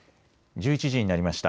１１時になりました。